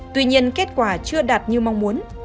tuy nhiên kết quả chưa đạt như mong muốn